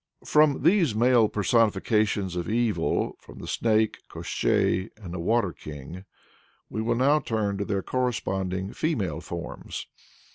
" From these male personifications of evil from the Snake, Koshchei, and the Water King we will now turn to their corresponding female forms.